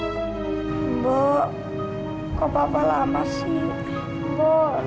kok bapak lama sih